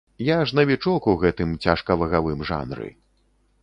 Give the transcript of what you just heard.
Я ж навічок у гэтым цяжкавагавым жанры.